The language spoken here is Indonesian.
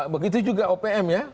begitu juga opm ya